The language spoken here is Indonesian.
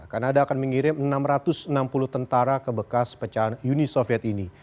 kanada akan mengirim enam ratus enam puluh tentara ke bekas pecahan uni soviet ini